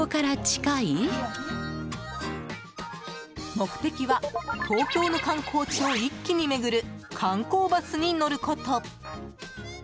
目的は、東京の観光地を一気に巡る観光バスに乗ること。